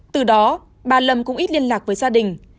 từ đó bà lâm cũng ít liên lạc với gia đình